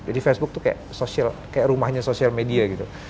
jadi facebook tuh kayak sosial kayak rumahnya sosial media gitu